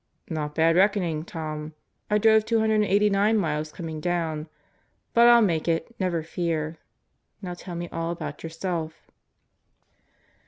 "Not bad reckoning, Tom. I drove 289 miles coming down. But I'll make it, never fear. Now tell me all about yourself."